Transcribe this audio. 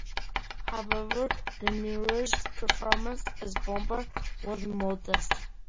However, the Mirage's performance as a bomber was modest.